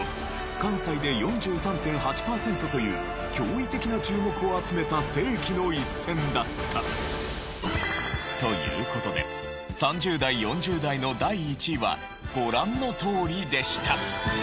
関西で４３．８パーセントという驚異的な注目を集めた世紀の一戦だった。という事で３０代４０代の第１位はご覧のとおりでした。